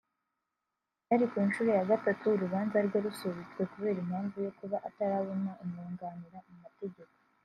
Byari ku nshuro ya gatatu urubanza rwe rusubitswe kubera impamvu yo kuba atarabona umwunganira mu mategeko